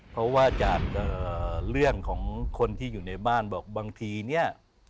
เพราะว่าจากเรื่องของคนที่อยู่ในบ้านบอกบางทีเนี่ย